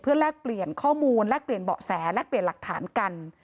แลกเปลี่ยนข้อมูลแลกเปลี่ยนเบาะแสและเปลี่ยนหลักฐานกัน